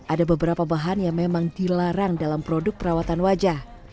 ada beberapa bahan yang memang dilarang dalam produk perawatan wajah